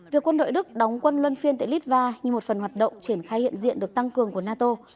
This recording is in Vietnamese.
việc quân đội đức đóng quân luân phiên tại litva như một phần hoạt động triển khai hiện diện được tăng cường của nato